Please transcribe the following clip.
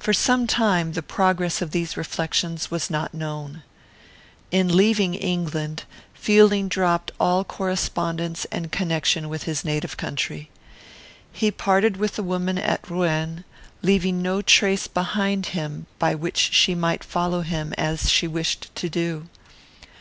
"For some time, the progress of these reflections was not known. In leaving England, Fielding dropped all correspondence and connection with his native country. He parted with the woman at Rouen, leaving no trace behind him by which she might follow him, as she wished to do.